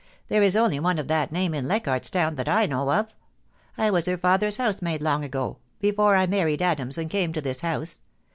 There is only one of that name in Leichardt's Town that I know of. I was her father's housemaid long ago, before I married Adams and came to this house.